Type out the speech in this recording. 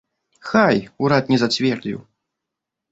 Хай, урад не зацвердзіў!